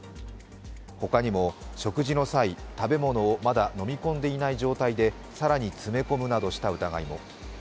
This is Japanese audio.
他にも食事の際、食べ物をまだ飲み込んでいない状態で更に詰め込むなどした疑いも。